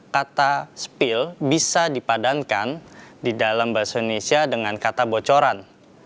kata spill bisa dipadankan di dalam bahasa indonesia dengan kata bocoran